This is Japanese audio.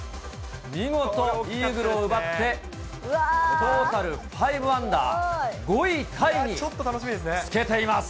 見事イーグルを奪って、トータル５アンダー、５位タイにつけています。